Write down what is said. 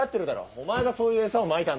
お前がそういう餌をまいたんだ。